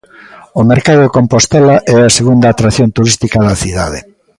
O mercado de Compostela é a segunda atracción turística da cidade.